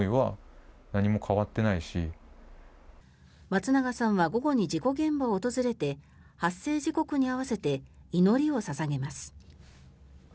松永さんは午後に事故現場を訪れて発生時刻に合わせて祈りを捧げます。